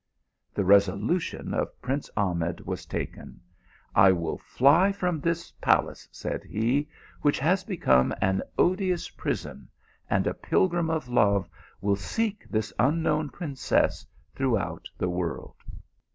The resolution of prince Ahmed was taken. " I will fly from this palace," said he, " which has be come an odious prison, and, a pilgrim of love, will seek this unknown princess throughout the world."